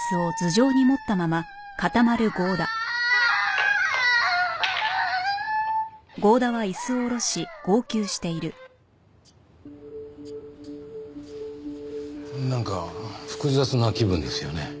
「うああああ！」なんか複雑な気分ですよね。